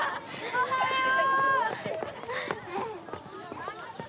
おはよう。